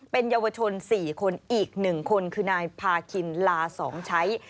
เป็นเยาวชน๔คนอีก๑คนคือนายพาคินลา๒ใช้